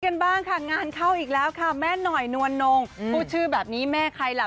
กันบ้างค่ะงานเข้าอีกแล้วค่ะแม่หน่อยนวลนงพูดชื่อแบบนี้แม่ใครล่ะ